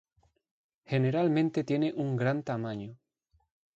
Generalmente tiene un gran tamaño.